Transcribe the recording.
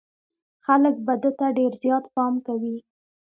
خلک به ده ته ډېر زيات پام کوي.